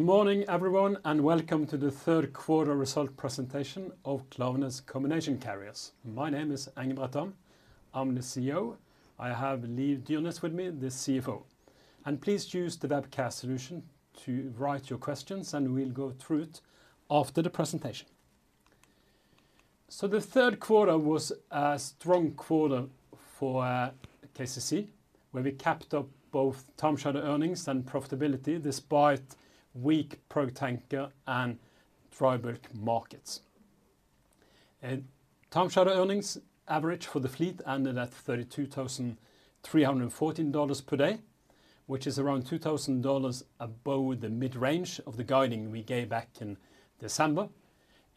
Good morning, everyone, and welcome to the third quarter result presentation of Klaveness Combination Carriers. My name is Engebret Dahm. I'm the CEO. I have Liv Dyrnes with me, the CFO. Please use the webcast solution to write your questions, and we'll go through it after the presentation. The third quarter was a strong quarter for KCC, where we kept up both time charter earnings and profitability, despite weak product tanker and dry bulk markets. Time charter earnings average for the fleet ended at $32,314 per day, which is around $2,000 above the mid-range of the guiding we gave back in December.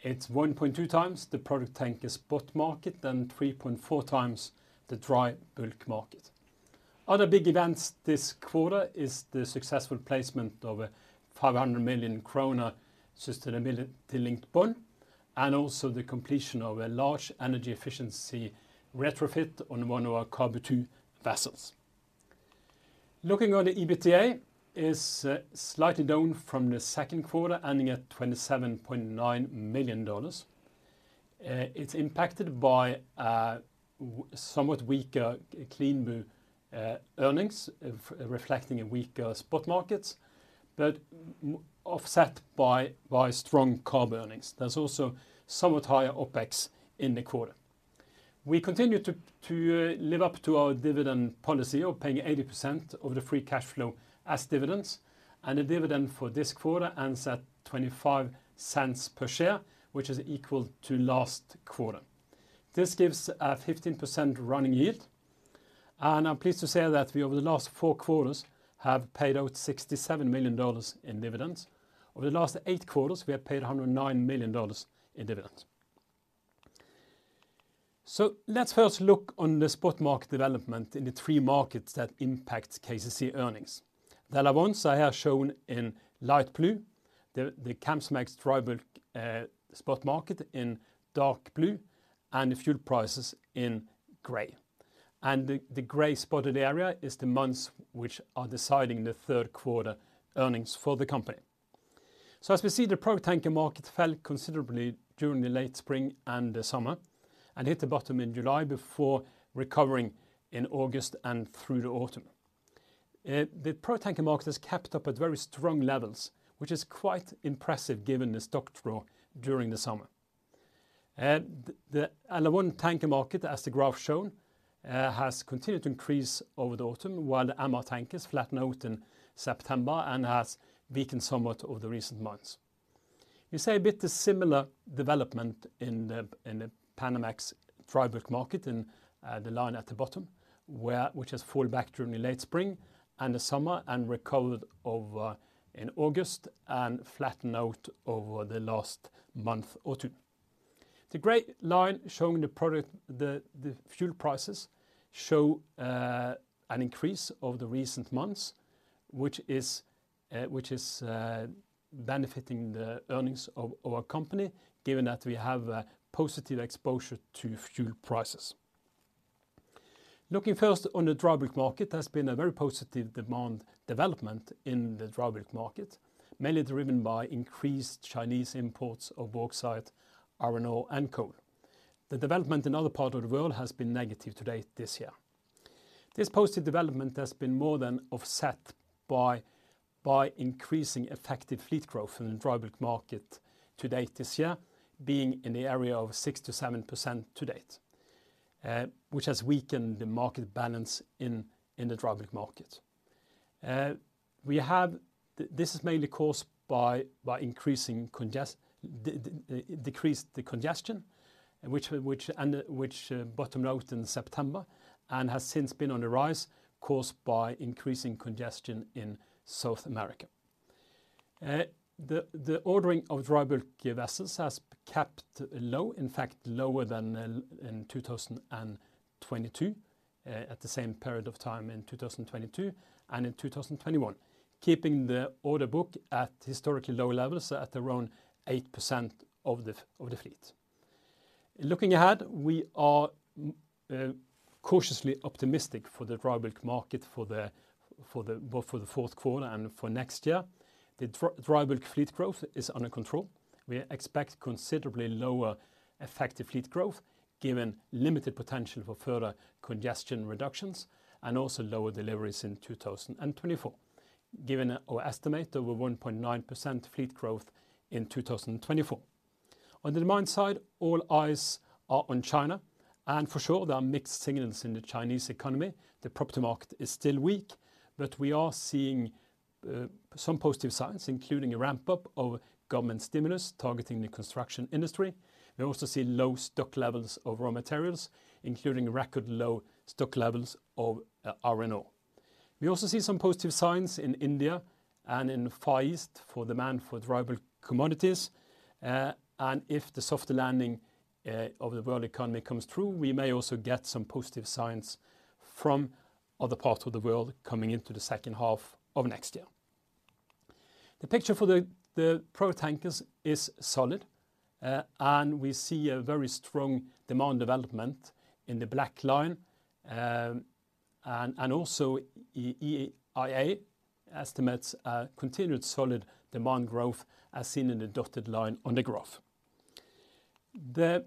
It's 1.2 times the product tanker spot market and 3.4 times the dry bulk market. Other big events this quarter is the successful placement of 500 million krone sustainability-linked bond, and also the completion of a large energy efficiency retrofit on one of our CABU vessels. Looking on the EBITDA is slightly down from the second quarter, ending at $27.9 million. It's impacted by a somewhat weaker CLEANBU earnings, reflecting a weaker spot markets, but offset by strong CABU earnings. There's also somewhat higher OpEx in the quarter. We continue to live up to our dividend policy of paying 80% of the free cash flow as dividends, and the dividend for this quarter ends at $0.25 per share, which is equal to last quarter. This gives a 15% running yield, and I'm pleased to say that we, over the last four quarters, have paid out $67 million in dividends. Over the last eight quarters, we have paid $109 million in dividends. So let's first look on the spot market development in the three markets that impact KCC earnings. The other ones I have shown in light blue, the Capesize dry bulk spot market in dark blue and the fuel prices in gray. The gray spotted area is the months which are deciding the third quarter earnings for the company. So as we see, the product tanker market fell considerably during the late spring and the summer and hit the bottom in July before recovering in August and through the autumn. The product tanker market has kept up at very strong levels, which is quite impressive given the stock draw during the summer. The LR1 tanker market, as the graph shown, has continued to increase over the autumn, while the MR tankers flattened out in September and has weakened somewhat over the recent months. You see a bit of similar development in the Panamax dry bulk market, the line at the bottom, which has fallen back during the late spring and the summer and recovered over in August and flattened out over the last month or two. The gray line showing the fuel prices show an increase over the recent months, which is benefiting the earnings of our company, given that we have a positive exposure to fuel prices. Looking first on the dry bulk market, there has been a very positive demand development in the dry bulk market, mainly driven by increased Chinese imports of bauxite, iron ore, and coal. The development in other parts of the world has been negative to date this year. This positive development has been more than offset by increasing effective fleet growth in the dry bulk market to date this year, being in the area of 6%-7% to date, which has weakened the market balance in the dry bulk market. This is mainly caused by decreased congestion, which bottomed out in September and has since been on the rise, caused by increasing congestion in South America. The ordering of dry bulk vessels has kept low, in fact, lower than in 2022, at the same period of time in 2022 and in 2021, keeping the order book at historically low levels at around 8% of the fleet. Looking ahead, we are cautiously optimistic for the dry bulk market for both the fourth quarter and for next year. The dry bulk fleet growth is under control. We expect considerably lower effective fleet growth, given limited potential for further congestion reductions and also lower deliveries in 2024, given our estimate of a 1.9% fleet growth in 2024. On the demand side, all eyes are on China, and for sure, there are mixed signals in the Chinese economy. The property market is still weak, but we are seeing some positive signs, including a ramp-up of government stimulus targeting the construction industry. We also see low stock levels of raw materials, including record low stock levels of iron ore. We also see some positive signs in India and in Far East for demand for dry bulk commodities, and if the softer landing of the world economy comes through, we may also get some positive signs from other parts of the world coming into the second half of next year. The picture for the product tankers is solid, and we see a very strong demand development in the black line. And also, EIIA estimates a continued solid demand growth, as seen in the dotted line on the graph. The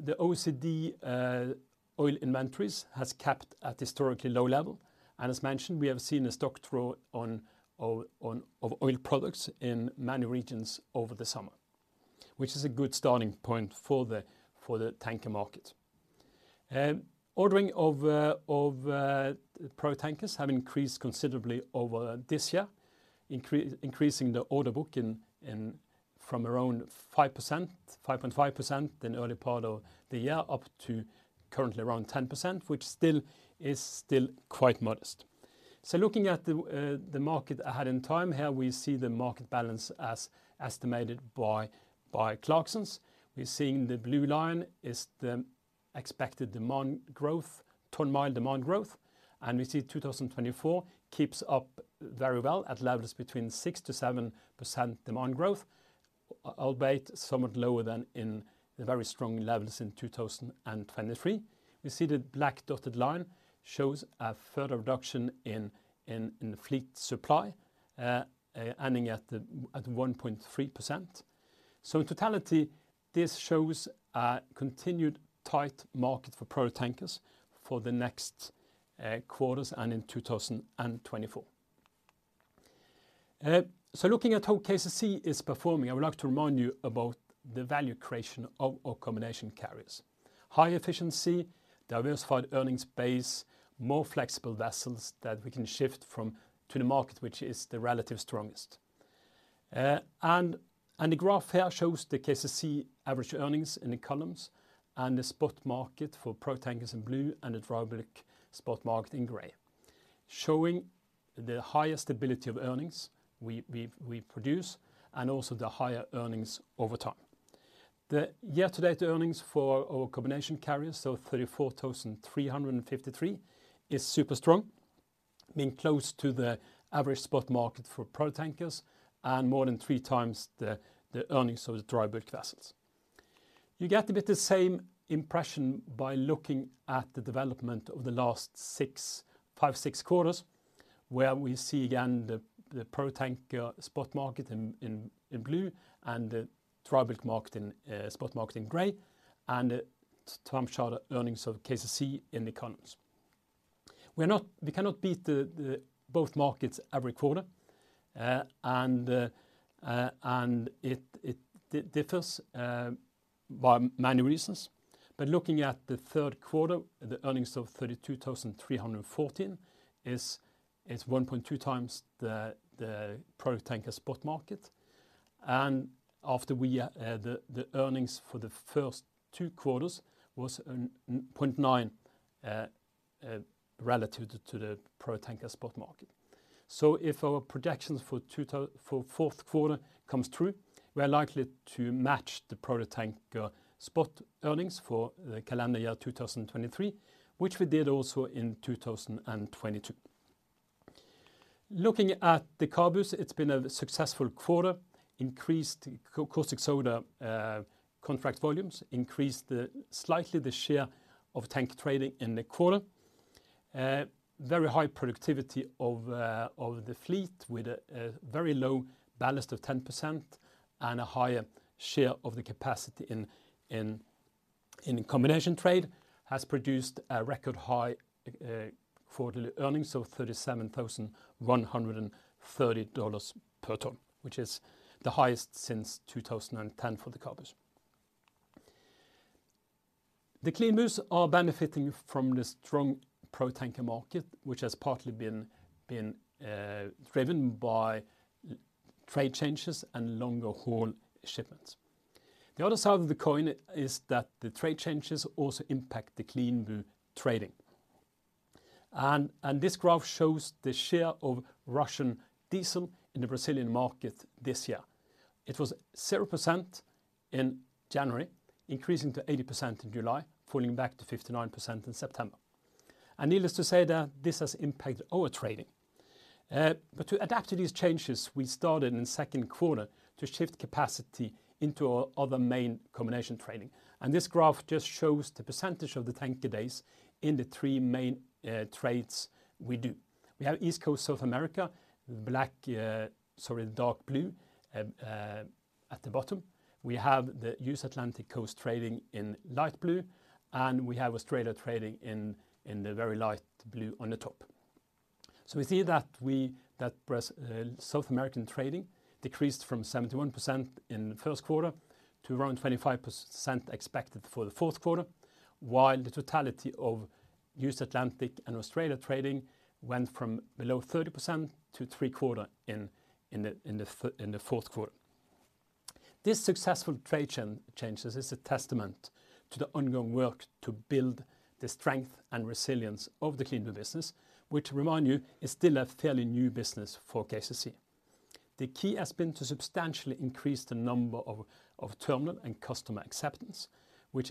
OECD oil inventories has capped at historically low level, and as mentioned, we have seen a stock draw on of oil products in many regions over the summer, which is a good starting point for the tanker market. Ordering of product tankers have increased considerably over this year, increasing the order book from around 5%, 5.5% in early part of the year, up to currently around 10%, which still is quite modest. So looking at the market ahead in time, here we see the market balance as estimated by Clarksons. We're seeing the blue line is the expected demand growth, ton-mile demand growth, and we see 2024 keeps up very well at levels between 6%-7% demand growth, albeit somewhat lower than in the very strong levels in 2023. We see the black dotted line shows a further reduction in the fleet supply, ending at 1.3%. So in totality, this shows a continued tight market for product tankers for the next quarters and in 2024. So looking at how KCC is performing, I would like to remind you about the value creation of our combination carriers. High efficiency, diversified earnings base, more flexible vessels that we can shift from to the market, which is the relative strongest. The graph here shows the KCC average earnings in the columns and the spot market for product tankers in blue and the dry bulk spot market in gray, showing the higher stability of earnings we produce and also the higher earnings over time. The year-to-date earnings for our combination carriers, so $34,353, is super strong, being close to the average spot market for product tankers and more than three times the earnings of the dry bulk vessels. You get a bit the same impression by looking at the development of the last five, six quarters, where we see again the product tanker spot market in blue and the dry bulk spot market in gray, and the time charter earnings of KCC in the columns. We are not we cannot beat the both markets every quarter, and it differs by many reasons. But looking at the third quarter, the earnings of $32,314 is 1.2 times the product tanker spot market. And the earnings for the first two quarters was 0.9 relative to the product tanker spot market. So if our projections for fourth quarter comes through, we are likely to match the product tanker spot earnings for the calendar year 2023, which we did also in 2022. Looking at the CABUs, it's been a successful quarter, increased caustic soda contract volumes, increased slightly the share of tanker trading in the quarter. Very high productivity of the fleet, with a very low ballast of 10% and a higher share of the capacity in combination trade, has produced a record high quarterly earnings of $37,130 per ton, which is the highest since 2010 for the CABUs. The CLEANBUs are benefiting from the strong product tanker market, which has partly been driven by trade changes and longer haul shipments. The other side of the coin is that the trade changes also impact the CLEANBU trading. This graph shows the share of Russian diesel in the Brazilian market this year. It was 0% in January, increasing to 80% in July, falling back to 59% in September. Needless to say, this has impacted our trading. But to adapt to these changes, we started in the second quarter to shift capacity into our other main combination trading. And this graph just shows the percentage of the tanker days in the three main trades we do. We have East Coast of America, dark blue at the bottom. We have the US Atlantic Coast trading in light blue, and we have Australia trading in the very light blue on the top. So we see that US South American trading decreased from 71% in the first quarter to around 25% expected for the fourth quarter, while the totality of US Atlantic and Australia trading went from below 30% to 75% in the fourth quarter. This successful trade changes is a testament to the ongoing work to build the strength and resilience of the CLEANBU business, which, remind you, is still a fairly new business for KCC. The key has been to substantially increase the number of terminal and customer acceptance, which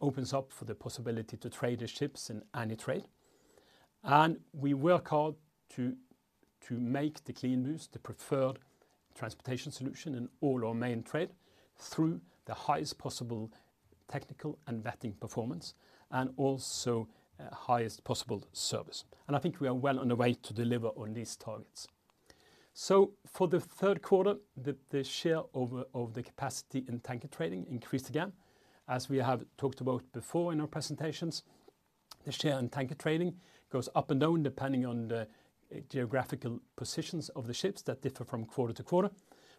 opens up for the possibility to trade the ships in any trade. We work hard to make the CLEANBU the preferred transportation solution in all our main trade through the highest possible technical and vetting performance, and also highest possible service. And I think we are well on the way to deliver on these targets. So for the third quarter, the share of the capacity in tanker trading increased again, as we have talked about before in our presentations. The share in tanker trading goes up and down, depending on the geographical positions of the ships that differ from quarter to quarter,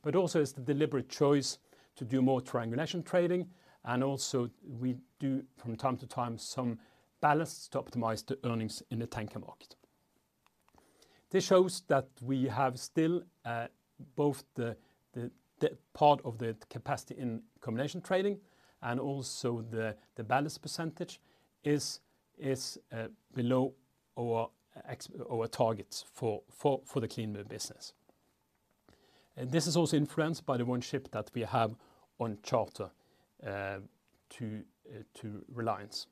but also is the deliberate choice to do more triangulation trading. And also we do, from time to time, some ballast to optimize the earnings in the tanker market. This shows that we have still both the part of the capacity in combination trading and also the ballast percentage is below our targets for the clean business. And this is also influenced by the one ship that we have on charter to Reliance.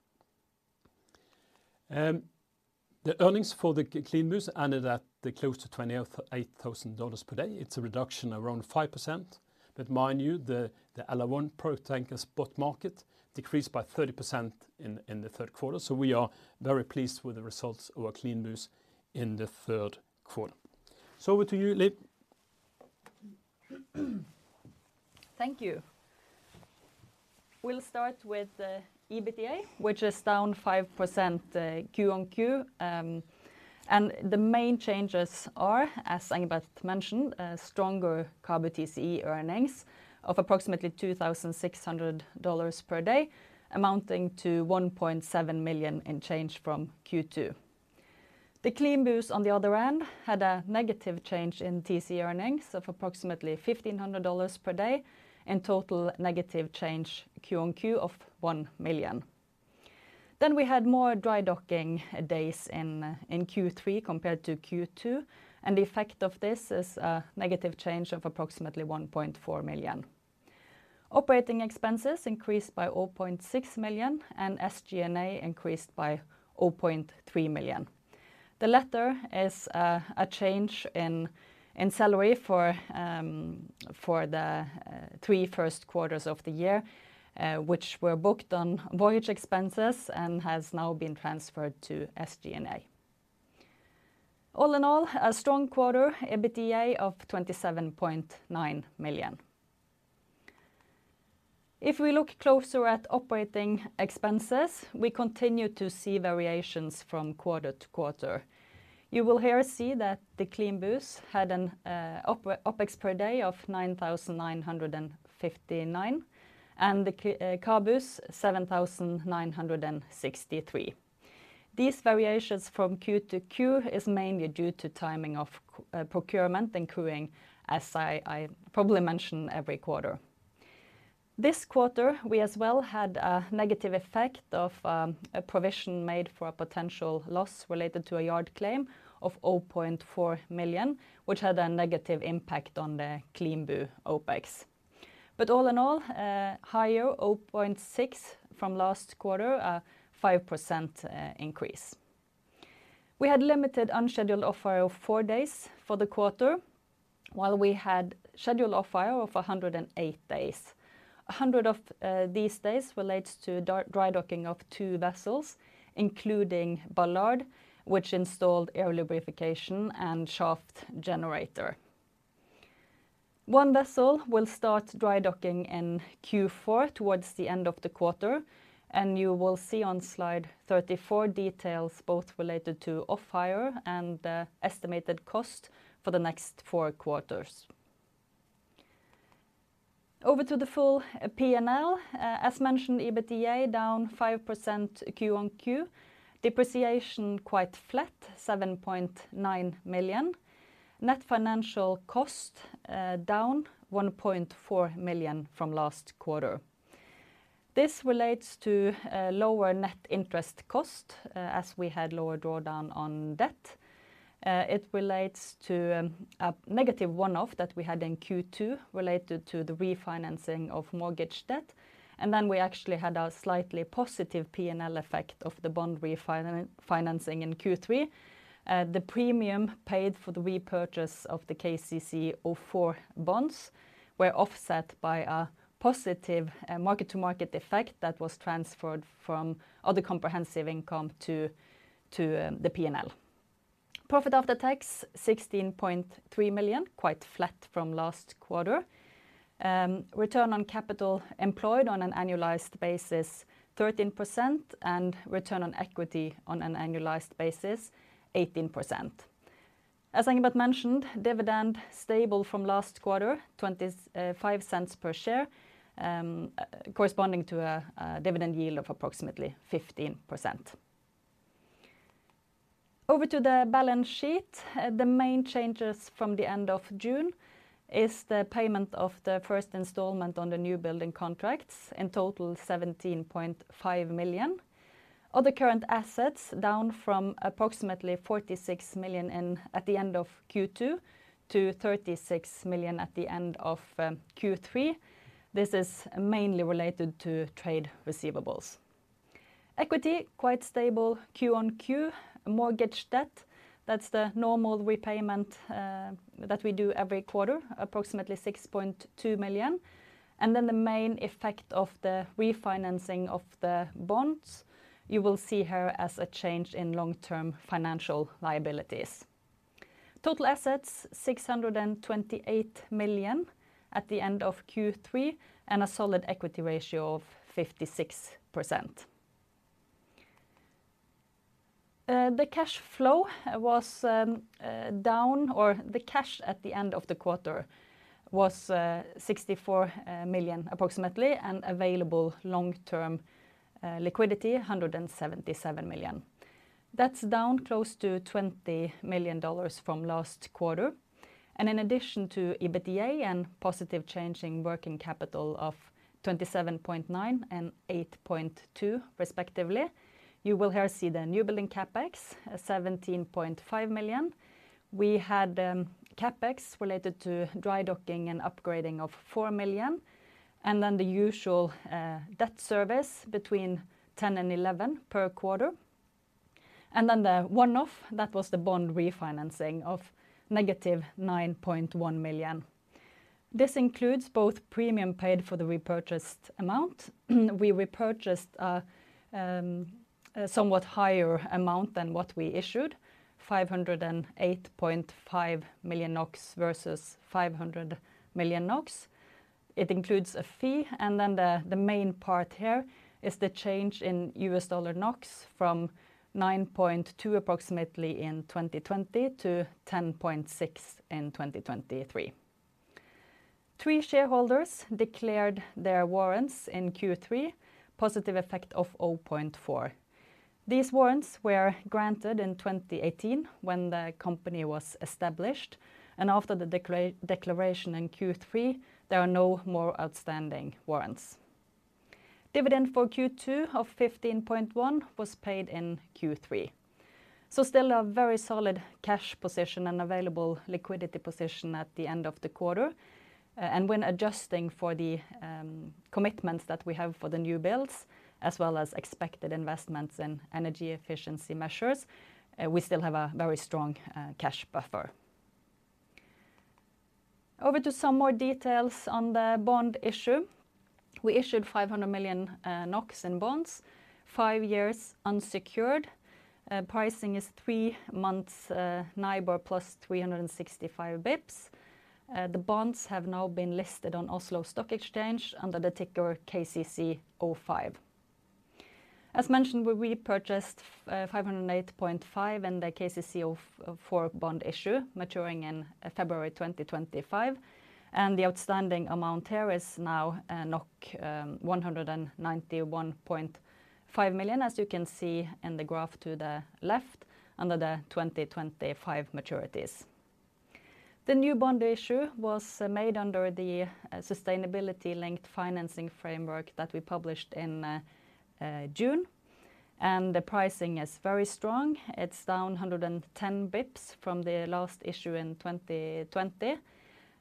The earnings for the CLEANBU ended close to $28,800 per day. It's a reduction around 5%, but mind you, the LR1 product tanker spot market decreased by 30% in the third quarter. So we are very pleased with the results of our CLEANBU in the third quarter. So over to you, Liv. Thank you. We'll start with the EBITDA, which is down 5%, Q-on-Q. And the main changes are, as Engebret mentioned, a stronger CABU TCE earnings of approximately $2,600 per day, amounting to $1.7 million in change from Q2. The CLEANBU, on the other hand, had a negative change in TC earnings of approximately $1,500 per day, and total negative change Q-on-Q of $1 million. Then we had more dry docking days in Q3 compared to Q2, and the effect of this is a negative change of approximately $1.4 million. Operating expenses increased by $0.6 million, and SG&A increased by $0.3 million. The latter is a change in salary for the three first quarters of the year, which were booked on voyage expenses and has now been transferred to SG&A. All in all, a strong quarter, EBITDA of $27.9 million. If we look closer at operating expenses, we continue to see variations from quarter to quarter. You will here see that the CLEANBU had an OpEx per day of $9,959, and the CABU, $7,963. These variations from quarter-to-quarter is mainly due to timing of procurement and crewing, as I probably mention every quarter. This quarter, we as well had a negative effect of a provision made for a potential loss related to a yard claim of $0.4 million, which had a negative impact on the CLEANBU OpEx. But all in all, higher $0.6 from last quarter, a 5% increase. We had limited unscheduled off-hire of four days for the quarter, while we had scheduled off-hire of 108 days. 100 of these days relates to dry docking of two vessels, including Ballard, which installed air lubrication and shaft generator. One vessel will start dry docking in Q4 towards the end of the quarter, and you will see on slide 34, details both related to off-hire and the estimated cost for the next four quarters. Over to the full P&L. As mentioned, EBITDA down 5% Q-on-Q. Depreciation quite flat, $7.9 million. Net financial cost down $1.4 million from last quarter. This relates to lower net interest cost as we had lower drawdown on debt. It relates to a negative one-off that we had in Q2, related to the refinancing of mortgage debt. And then we actually had a slightly positive P&L effect of the bond refinancing in Q3. The premium paid for the repurchase of the KCC04 bonds were offset by a positive mark-to-market effect that was transferred from other comprehensive income to the P&L. Profit after tax, $16.3 million, quite flat from last quarter. Return on capital employed on an annualized basis, 13%, and return on equity on an annualized basis, 18%. As Engebret mentioned, dividend stable from last quarter, 25 cents per share, corresponding to a dividend yield of approximately 15%. Over to the balance sheet. The main changes from the end of June is the payment of the first installment on the new building contracts, in total, $17.5 million. Other current assets, down from approximately $46 million at the end of Q2, to $36 million at the end of Q3. This is mainly related to trade receivables. Equity, quite stable Q on Q. Mortgage debt, that's the normal repayment that we do every quarter, approximately $6.2 million. And then the main effect of the refinancing of the bonds, you will see here as a change in long-term financial liabilities. Total assets, $628 million at the end of Q3, and a solid equity ratio of 56%. The cash flow was down, or the cash at the end of the quarter was $64 million approximately, and available long-term liquidity $177 million. That's down close to $20 million from last quarter. And in addition to EBITDA and positive change in working capital of 27.9 and 8.2 respectively, you will here see the newbuilding CapEx $17.5 million. We had CapEx related to dry docking and upgrading of $4 million, and then the usual debt service between 10 and 11 per quarter. And then the one-off, that was the bond refinancing of -$9.1 million. This includes both premium paid for the repurchased amount. We repurchased a somewhat higher amount than what we issued, 508.5 million NOK versus 500 million NOK. It includes a fee, and then the main part here is the change in US dollar NOK from 9.2, approximately, in 2020 to 10.6 in 2023. 3 shareholders declared their warrants in Q3, positive effect of 0.4 million. These warrants were granted in 2018 when the company was established, and after the declaration in Q3, there are no more outstanding warrants. Dividend for Q2 of 15.1 million was paid in Q3. So still a very solid cash position and available liquidity position at the end of the quarter. When adjusting for the commitments that we have for the new builds, as well as expected investments in energy efficiency measures, we still have a very strong cash buffer. Over to some more details on the bond issue. We issued 500 million NOK in bonds, 5 years unsecured. Pricing is 3 months NIBOR plus 365 basis points. The bonds have now been listed on Oslo Stock Exchange under the ticker KCC05. As mentioned, we repurchased 508.5 million in the KCC04 bond issue, maturing in February 2025, and the outstanding amount here is now 191.5 million, as you can see in the graph to the left, under the 2025 maturities. The new bond issue was made under the sustainability-linked financing framework that we published in June. The pricing is very strong. It's down 110 basis points from the last issue in 2020,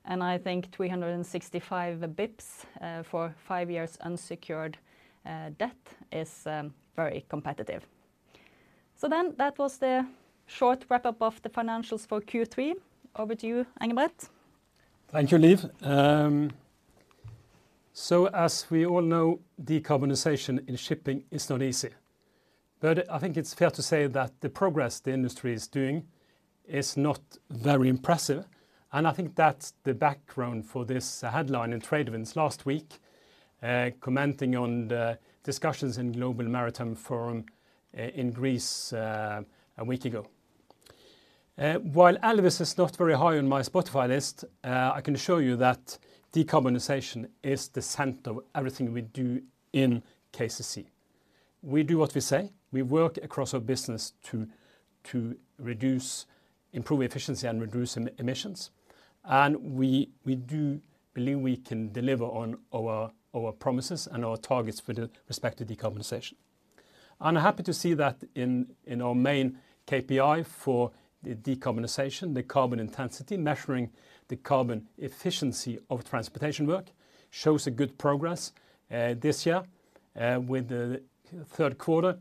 and I think 365 basis points for 5 years unsecured debt is very competitive. That was the short wrap-up of the financials for Q3. Over to you, Engebret. Thank you, Liv. So as we all know, decarbonization in shipping is not easy. But I think it's fair to say that the progress the industry is doing is not very impressive, and I think that's the background for this headline in TradeWinds last week, commenting on the discussions in Global Maritime Forum in Greece a week ago. While Elvis is not very high on my Spotify list, I can assure you that decarbonization is the center of everything we do in KCC. We do what we say. We work across our business to reduce...improve efficiency and reduce emissions. And we do believe we can deliver on our promises and our targets with respect to decarbonization. I'm happy to see that in our main KPI for decarbonization, the carbon intensity, measuring the carbon efficiency of transportation work, shows a good progress this year with the third quarter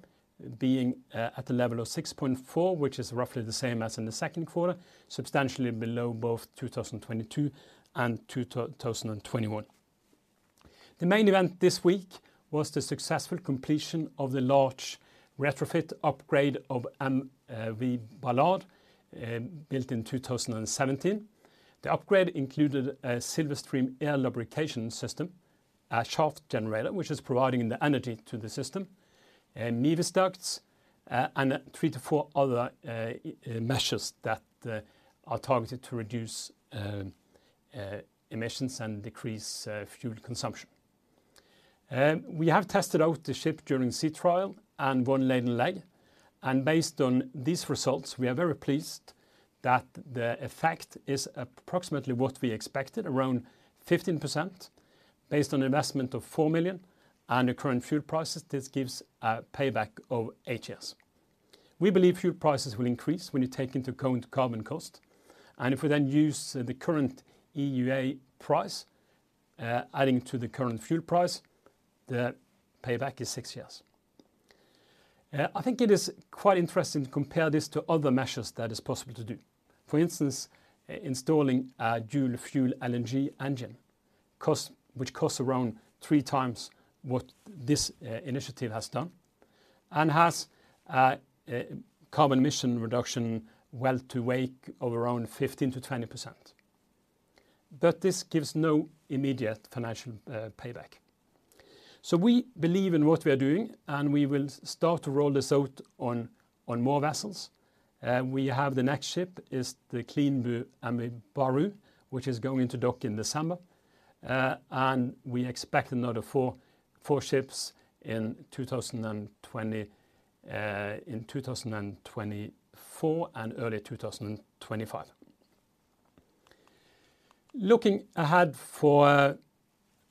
being at the level of 6.4, which is roughly the same as in the second quarter, substantially below both 2022 and 2021. The main event this week was the successful completion of the large retrofit upgrade of MV Ballard, built in 2017. The upgrade included a Silverstream air lubrication system, a shaft generator, which is providing the energy to the system, Mewis ducts, and 3-4 other measures that are targeted to reduce emissions and decrease fuel consumption. We have tested out the ship during sea trial and one laden leg, and based on these results, we are very pleased that the effect is approximately what we expected, around 15%, based on investment of $4 million and the current fuel prices, this gives a payback of 8 years. We believe fuel prices will increase when you take into account carbon cost, and if we then use the current EUA price, adding to the current fuel price, the payback is 6 years. I think it is quite interesting to compare this to other measures that is possible to do. For instance, installing a dual-fuel LNG engine, which costs around 3 times what this initiative has done, and has a carbon emission reduction well-to-wake of around 15%-20%. But this gives no immediate financial payback. So we believe in what we are doing, and we will start to roll this out on more vessels. We have the next ship is the CLEANBU MV Baru, which is going to dock in December. And we expect another 4 ships in 2020, in 2024 and early 2025. Looking ahead,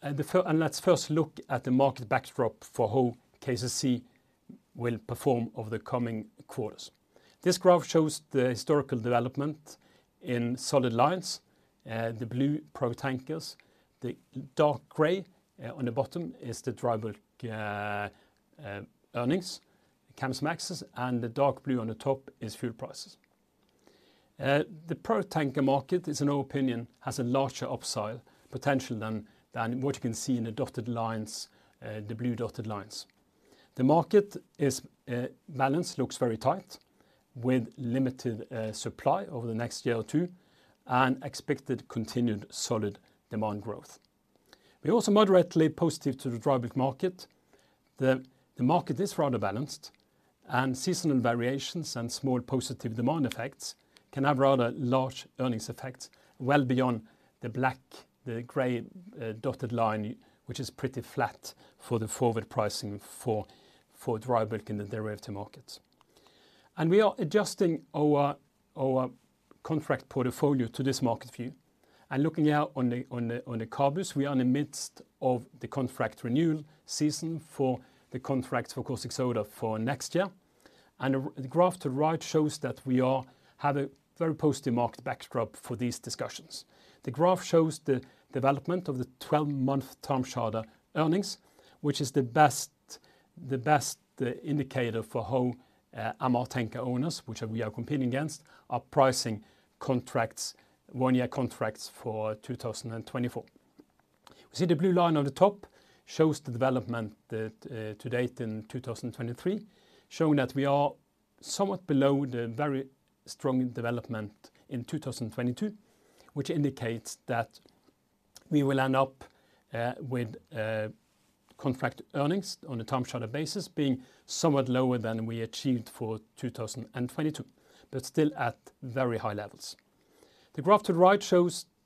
let's first look at the market backdrop for how KCC will perform over the coming quarters. This graph shows the historical development in solid lines, the blue product tankers. The dark gray on the bottom is the dry bulk earnings, Capesize, and the dark blue on the top is fuel prices. The product tanker market, in our opinion, has a larger upside potential than what you can see in the dotted lines, the blue dotted lines. The market is balanced, looks very tight, with limited supply over the next year or two, and expected continued solid demand growth. We are also moderately positive to the dry bulk market. The market is rather balanced, and seasonal variations and small positive demand effects can have rather large earnings effects, well beyond the black, the gray dotted line, which is pretty flat for the forward pricing for dry bulk in the derivative market. And we are adjusting our contract portfolio to this market view. And looking out on the CABUs, we are in the midst of the contract renewal season for the contracts for caustic soda for next year. The graph to the right shows that we have a very positive market backdrop for these discussions. The graph shows the development of the 12-month time charter earnings, which is the best, the best indicator for how MR tanker owners, which we are competing against, are pricing contracts, one-year contracts for 2024. We see the blue line on the top shows the development to date in 2023, showing that we are somewhat below the very strong development in 2022, which indicates that we will end up with contract earnings on a time charter basis being somewhat lower than we achieved for 2022, but still at very high levels. The graph to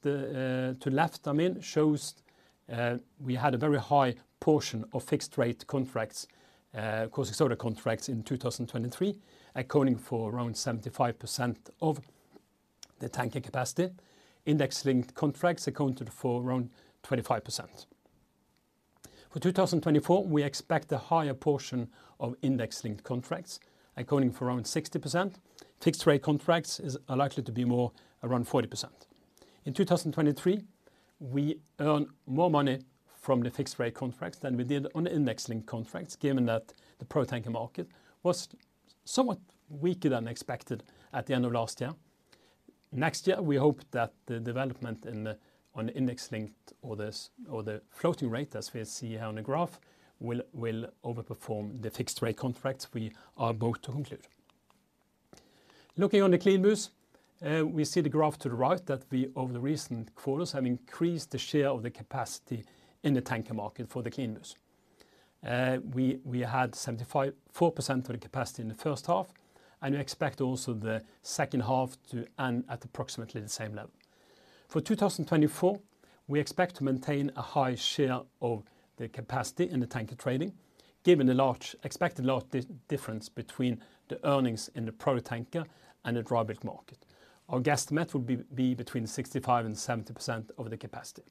the left, I mean, shows we had a very high portion of fixed-rate contracts, caustic soda contracts in 2023, accounting for around 75% of the tanker capacity. Index-linked contracts accounted for around 25%. For 2024, we expect a higher portion of index-linked contracts, accounting for around 60%. Fixed-rate contracts is likely to be more around 40%. In 2023, we earned more money from the fixed-rate contracts than we did on the index-linked contracts, given that the product tanker market was somewhat weaker than expected at the end of last year. Next year, we hope that the development in the, on index-linked or the s- or the floating rate, as we see here on the graph, will, will overperform the fixed-rate contracts we are about to conclude. Looking on the CLEANBU, we see the graph to the right, that we, over the recent quarters, have increased the share of the capacity in the tanker market for the CLEANBU. We had 75.4% of the capacity in the first half, and we expect also the second half to end at approximately the same level. For 2024, we expect to maintain a high share of the capacity in the tanker trading, given the expected large difference between the earnings in the product tanker and the dry bulk market. Our guesstimate would be between 65% and 70% of the capacity.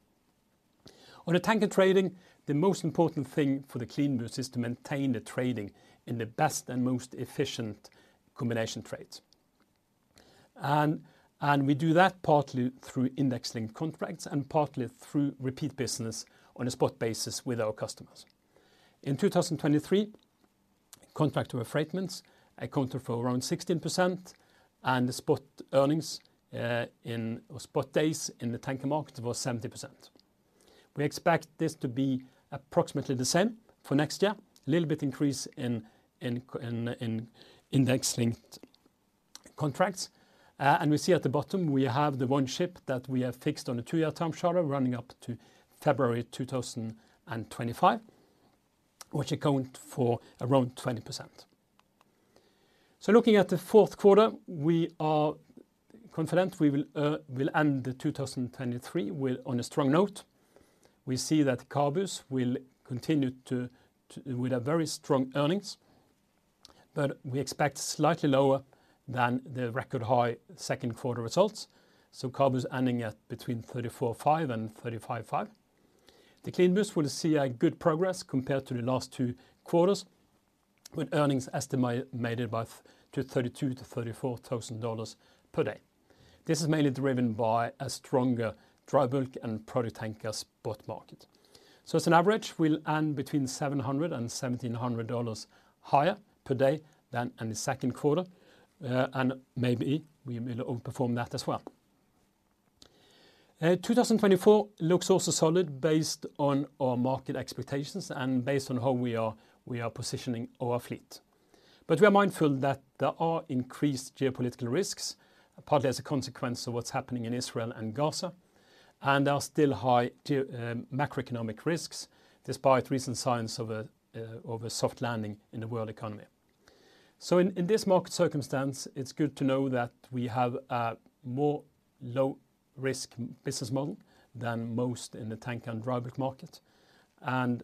On the tanker trading, the most important thing for the CLEANBU is to maintain the trading in the best and most efficient combination trades. We do that partly through index-linked contracts and partly through repeat business on a spot basis with our customers. In 2023, contracts of affreightment accounted for around 16%, and the spot earnings in spot days in the tanker market was 70%. We expect this to be approximately the same for next year, a little bit increase in index-linked contracts. We see at the bottom, we have the one ship that we have fixed on a two-year term charter running up to February 2025, which account for around 20%. So looking at the fourth quarter, we are confident we will end 2023 on a strong note. We see that CABUs will continue with very strong earnings, but we expect slightly lower than the record high second quarter results. So CABUs ending at between $34,500 and $35,500. The CLEANBUs will see good progress compared to the last two quarters, with earnings estimates made by that to $32,000-$34,000 per day. This is mainly driven by a stronger dry bulk and product tanker spot market. So as an average, we'll earn between $700 and $1,700 higher per day than in the second quarter, and maybe we will outperform that as well. 2024 looks also solid based on our market expectations and based on how we are, we are positioning our fleet. But we are mindful that there are increased geopolitical risks, partly as a consequence of what's happening in Israel and Gaza, and are still high due to macroeconomic risks, despite recent signs of a soft landing in the world economy. So in this market circumstance, it's good to know that we have a more low-risk business model than most in the tanker and dry bulk market, and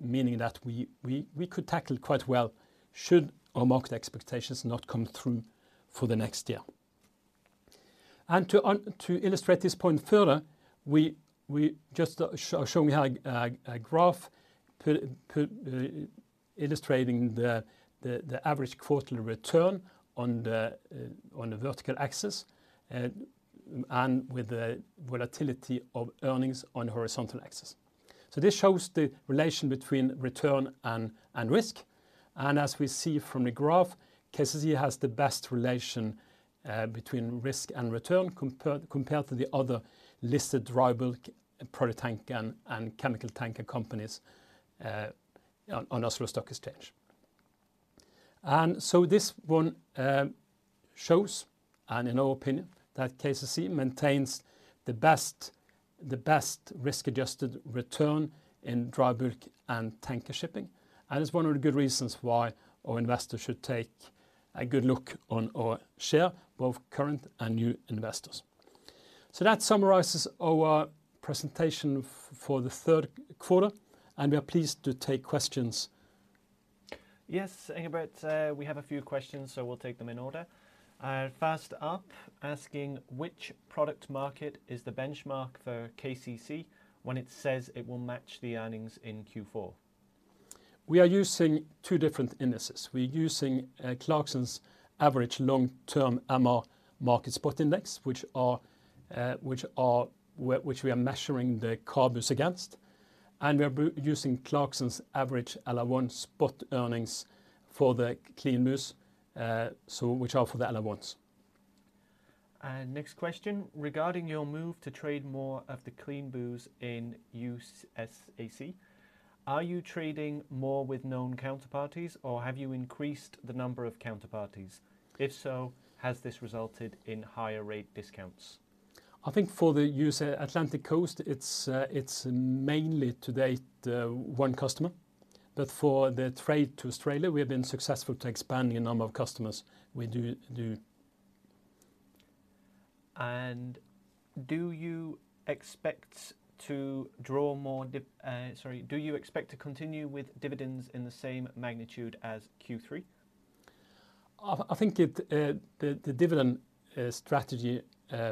meaning that we could tackle quite well should our market expectations not come through for the next year. And to illustrate this point further, we just showing a graph illustrating the average quarterly return on the vertical axis, and with the volatility of earnings on the horizontal axis. So this shows the relation between return and risk, and as we see from the graph, KCC has the best relation between risk and return compared to the other listed dry bulk and product tanker and chemical tanker companies on Oslo Stock Exchange. So this one shows, and in our opinion, that KCC maintains the best risk-adjusted return in dry bulk and tanker shipping, and it's one of the good reasons why our investors should take a good look on our share, both current and new investors. So that summarizes our presentation for the third quarter, and we are pleased to take questions. Yes, Engebret, we have a few questions, so we'll take them in order. First up, asking which product market is the benchmark for KCC when it says it will match the earnings in Q4? We are using two different indices. We are using Clarksons' average long-term MR market spot index, which we are measuring the CABUs against, and we are using Clarksons' average LR1 spot earnings for the CLEANBUs, which are for the LR1s. Next question, regarding your move to trade more of the CLEANBU's in USAC, are you trading more with known counterparties, or have you increased the number of counterparties? If so, has this resulted in higher rate discounts? I think for the U.S. Atlantic Coast, it's, it's mainly to date, one customer. But for the trade to Australia, we have been successful to expanding a number of customers. We do, do. Do you expect to continue with dividends in the same magnitude as Q3? I think the dividend strategy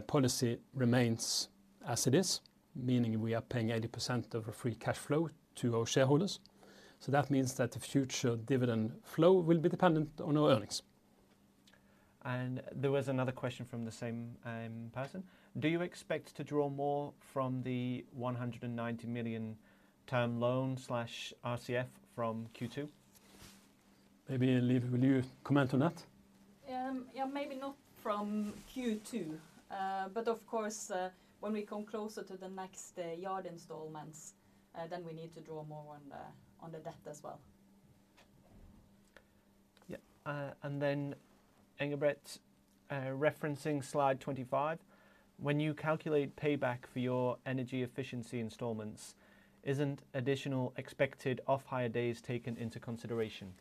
policy remains as it is, meaning we are paying 80% of our free cash flow to our shareholders. So that means that the future dividend flow will be dependent on our earnings. There was another question from the same person. Do you expect to draw more from the $190 million term loan/RCF from Q2? Maybe, Liv, will you comment on that? Yeah, maybe not from Q2. But of course, when we come closer to the next yard installments, then we need to draw more on the debt as well. Yeah, and then Engebret, referencing slide 25, when you calculate payback for your energy efficiency installments, isn't additional expected off-hire days taken into consideration?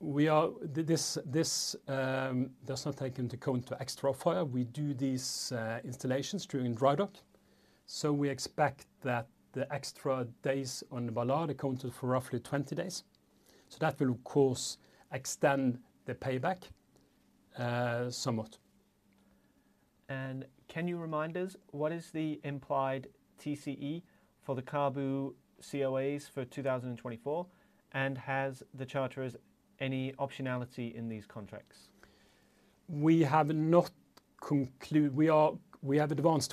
They are not. This does not take into account extra off-hire. We do these installations during dry dock, so we expect that the extra days on the Ballard account for roughly 20 days. So that will of course extend the payback somewhat. Can you remind us, what is the implied TCE for the CABU COAs for 2024? And has the charterers any optionality in these contracts? We have advanced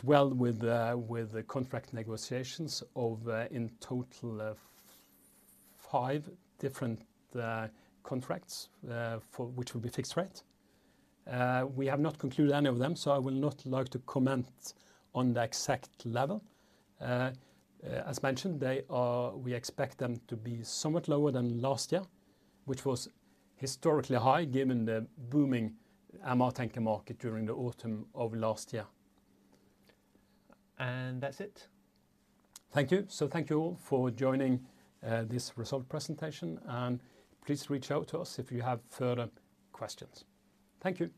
well with the contract negotiations of in total five different contracts for which will be fixed rate. We have not concluded any of them, so I will not like to comment on the exact level. As mentioned, we expect them to be somewhat lower than last year, which was historically high, given the booming MR tanker market during the autumn of last year. That's it. Thank you. Thank you all for joining this result presentation, and please reach out to us if you have further questions. Thank you.